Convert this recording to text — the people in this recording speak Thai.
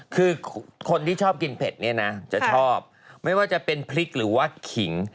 คือคนที่ชอบกินเผ็ดเนี่ยนะจะชอบไม่ว่าจะเป็นพริกหรือว่าขิง